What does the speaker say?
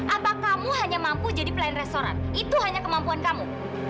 apakah kamu hanya mampu jadi pelayan restoran itu hanya kemampuan kamu